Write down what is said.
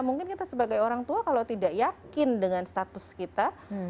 mungkin kita sebagai orang tua kalau tidak yakin dengan status kita